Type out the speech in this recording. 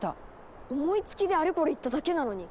思いつきであれこれ言っただけなのに。